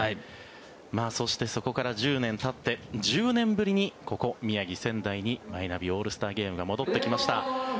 そしてそこから１０年たって１０年ぶりにここ宮城・仙台にマイナビオールスターゲームが戻ってきました。